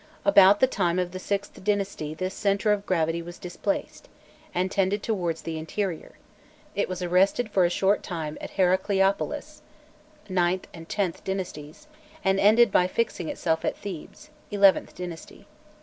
About the time of the VIth dynasty this centre of gravity was displaced, and tended towards the interior; it was arrested for a short time at Heracleo polis (IXth and Xth dynasties), and ended by fixing itself at Thebes (XIth dynasty).